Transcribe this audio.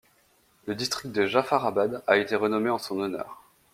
Le district de Jafarabad a été renommé en son honneur.